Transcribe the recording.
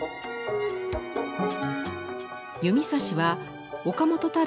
弓指は岡本太郎